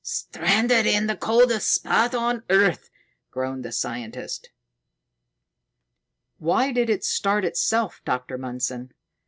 "Stranded in the coldest spot on earth!" groaned the scientist. "Why did it start itself, Dr. Mundson!"